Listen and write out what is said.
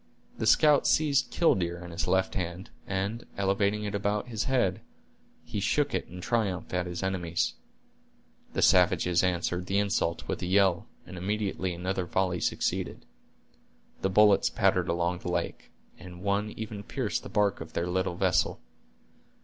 The scout seized "killdeer" in his left hand, and elevating it about his head, he shook it in triumph at his enemies. The savages answered the insult with a yell, and immediately another volley succeeded. The bullets pattered along the lake, and one even pierced the bark of their little vessel.